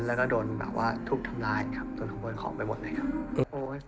แล้วก็โดนแบบว่าทุบทำลายครับโดนขโมยของไปหมดเลยครับ